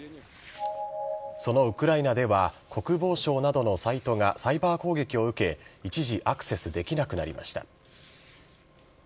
そのウクライナでは、国防省などのサイトがサイバー攻撃を受け、一時、アクセスできなくなりました。